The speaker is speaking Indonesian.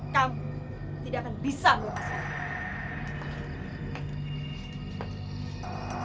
kamu tidak akan bisa melupakan